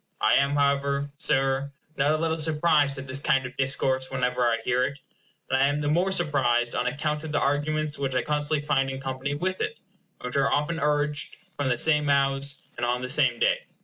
I am, however, Sir, not a little surprised at this kind of discourse, whenever I hear it; and I am the more surprised on account of the arguments which I constantly find in company with it, and which are often urged from the same mouths and on the same day.